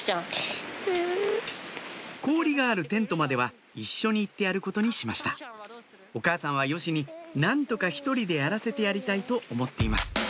氷があるテントまでは一緒に行ってやることにしましたお母さんはヨシに何とか１人でやらせてやりたいと思っています